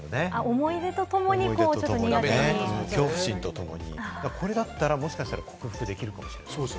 思い出と共に恐怖心とともに、これだったら、もしかしたら克服できるかもしれない。